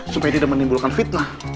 supaya ini udah menimbulkan fitnah